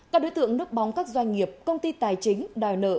các đối tượng núp bóng các doanh nghiệp công ty tài chính đòi nợ